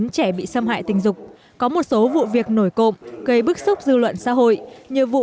hai mươi chín trẻ bị xâm hại tình dục có một số vụ việc nổi cộng gây bức xúc dư luận xã hội như vụ